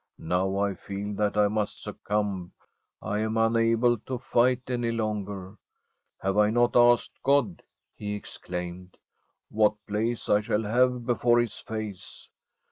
Now I feel that I must succumb; I am unable to fight any longer. Have I not asked God/ he exclaimed, ' what place I shall have before His face